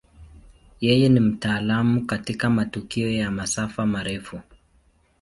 Yeye ni mtaalamu katika matukio ya masafa marefu.